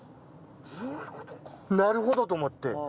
なるほどと思って。